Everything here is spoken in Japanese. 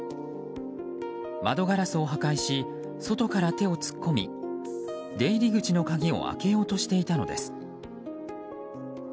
窓ガラスを破壊し外から手を突っ込み出入り口の鍵を開けようとしていたのです。